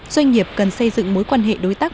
doanh nghiệp cần xây dựng mối quan hệ đối tác